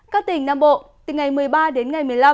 các tỉnh nam bộ từ ngày một mươi ba đến ngày một mươi năm